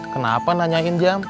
kenapa nanyain jam